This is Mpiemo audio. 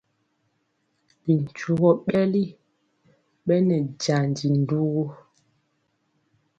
Bi ntugɔ ɓɛli ɓɛ nɛ jandi ndugu.